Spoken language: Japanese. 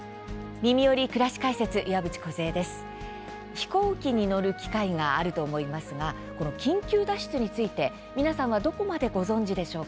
飛行機に乗る機会があると思いますがこの緊急脱出について皆さんはどこまでご存じでしょうか？